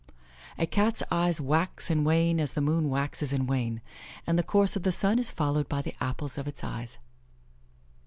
A Cat's eyes wax and wane as the moon waxes and wanes, and the course of the sun is followed by the apples of its eyes.